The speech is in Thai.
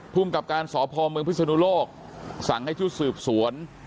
ภูมิกับการสพเมืองพิศนุโลกสั่งให้ชุดสืบสวน